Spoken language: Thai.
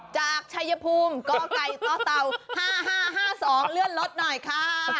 จากชัยภูมิกไก่ต่อเต่า๕๕๒เลื่อนรถหน่อยค่ะ